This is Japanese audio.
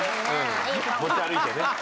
持ち歩いてね。